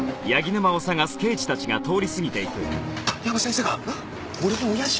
谷浜先生が俺の親父！？